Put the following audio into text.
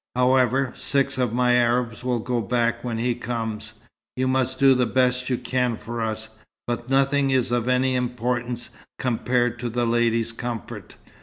However, six of my Arabs will go back when he comes. You must do the best you can for us, but nothing is of any importance compared to the ladies' comfort."